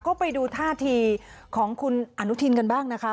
ก็ไปดูท่าทีของคุณอนุทินกันบ้างนะคะ